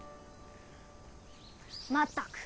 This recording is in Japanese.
まったく！